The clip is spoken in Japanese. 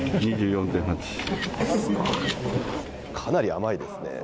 かなり甘いですね。